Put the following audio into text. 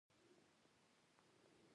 نسخ خط؛ د خط یو ډول دﺉ.